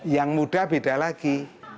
yang muda beda lagi